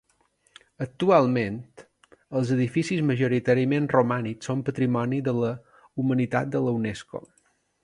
Actualment, els edificis majoritàriament romànics són Patrimoni de la Humanitat de la Unesco.